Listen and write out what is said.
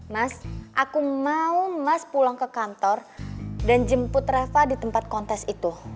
mas aku mau mas pulang ke kantor dan jemput reva di tempat kontes itu